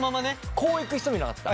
こういく人もいなかった？